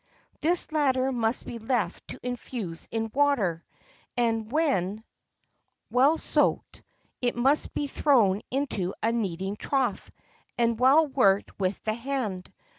This latter must be left to infuse in water, and, when well soaked, it must be thrown into a kneading trough, and well worked with the hand.